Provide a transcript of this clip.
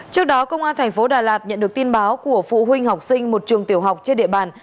trước đó công an thành phố đà lạt nhận được tin báo của phụ huynh học sinh một trường tiểu học trên địa bàn